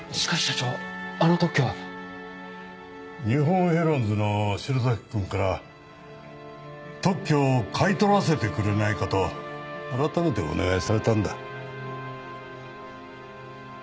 日本ヘロンズの白崎くんから特許を買い取らせてくれないかと改めてお願いされたんだ。